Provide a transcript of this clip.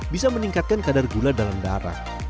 bisa meningkatkan kadar gula dalam darah